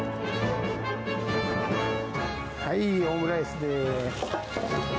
はい、オムライスです。